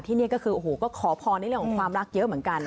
ที่นี่ก็คือขอพร้อมได้เรียกของความรักมันมาก